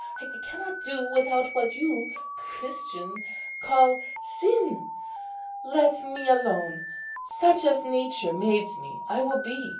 I cannot do without what you, Christian, call sin. Let me alone; such as nature made me I will be.